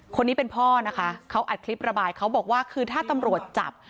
คนนี้เป็นพ่อนะคะเขาอัดคลิประบายเขาบอกว่าคือถ้าตำรวจจับ